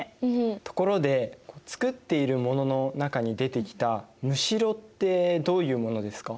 ところで作っているものの中に出てきたむしろってどういうものですか？